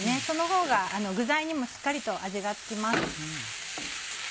そのほうが具材にもしっかりと味が付きます。